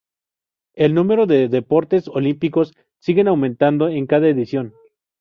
El número de deportes olímpicos sigue aumentando en cada edición.